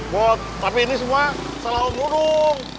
mot tapi ini semua salah om dudung